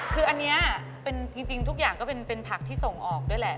คืออันนี้จริงทุกอย่างก็เป็นผักที่ส่งออกด้วยแหละ